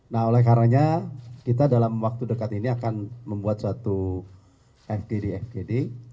nah oleh karanya kita dalam waktu dekat ini akan membuat suatu fgd fgd